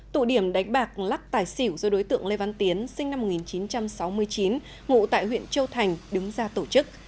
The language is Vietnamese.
tụ điểm đánh bạc lắc tài xỉu do đối tượng lê văn tiến sinh năm một nghìn chín trăm sáu mươi chín ngụ tại huyện châu thành đứng ra tổ chức